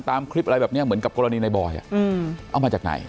ตามคลิปอะไรแบบเนี้ยเหมือนกับกรณีในบอยอ่ะอืมเอามา